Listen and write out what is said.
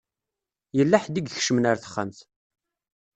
Yella ḥedd i ikecmen ar texxamt.